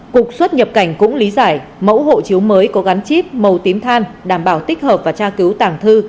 cục xuất nhập cảnh cũng lý giải mẫu hộ chiếu mới có gắn chip màu tím than đảm bảo tích hợp và tra cứu tàng thư